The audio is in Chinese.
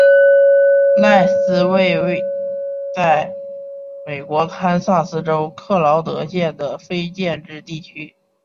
赖斯为位在美国堪萨斯州克劳德县的非建制地区。